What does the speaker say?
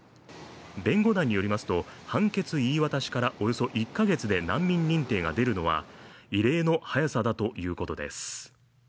弁護団によりますと、判決言い渡しからおよそ１ヶ月で難民認定が出るのは異例の早さだということです。